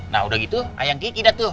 nah udah gitu ayang kiki datuh